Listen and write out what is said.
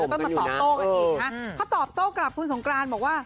แล้วก็มาตอบโต้กันอีกนะเขาตอบโต้กลับคุณสงกรานบอกว่า